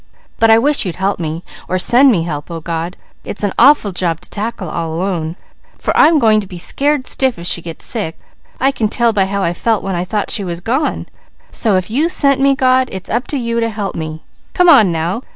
But I wish You'd help me, or send me help, O God. It's an awful job to tackle all alone, for I'm going to be scared stiff if she gets sick. I can tell by how I felt when I thought she was gone. So if You sent me God, it's up to You to help me. Come on now!